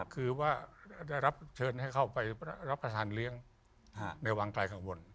คือว่าได้รับเชิญให้เข้าไปรับประทานเลี้ยงในวังไกลกังวล